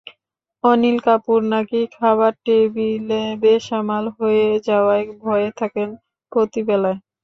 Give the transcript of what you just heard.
অনিল কাপুর নাকি খাবার টেবিলে বেসামাল হয়ে যাওয়ার ভয়ে থাকেন প্রতি বেলায়।